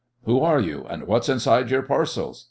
"Who are you, and what's inside your parcels?"